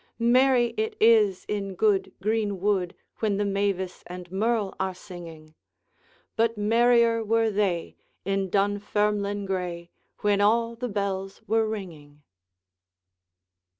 Merry it is in good greenwood, When the mavis and merle are singing, But merrier were they in Dunfermline gray, When all the bells were ringing.